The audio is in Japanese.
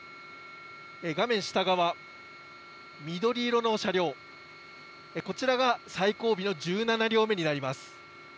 画面下側、緑色の車両、こちらが最後尾の１７両目になります。